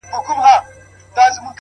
شاعر او شاعره؛